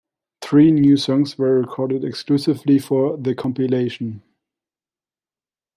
Three new songs were recorded exclusively for the compilation.